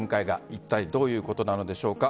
いったいどういうことなのでしょうか。